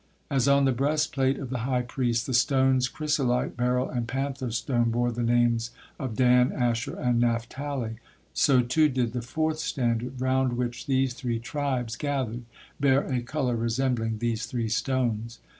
As on the breastplate of the high priest the stones chrysolite, beryl and panther stone bore the names of Dan, Asher, and Naphtali, so too did the fourth standard, round which these three tribes gathered, bear a color resembling these three stones.